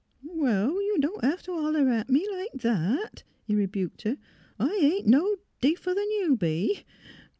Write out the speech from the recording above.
"" Wall, you don't hev' t' holler at me like that," he rebuked her. '' I ain't no deefer 'n' you be.